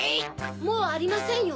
もうありませんよ。